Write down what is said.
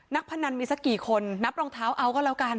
พนันมีสักกี่คนนับรองเท้าเอาก็แล้วกัน